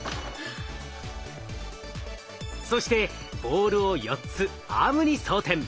そしてボールを４つアームに装てん。